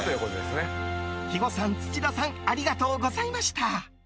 肥後さん、土田さんありがとうございました。